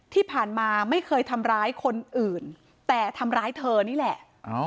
ที่ผ่านมาไม่เคยทำร้ายคนอื่นแต่ทำร้ายเธอนี่แหละ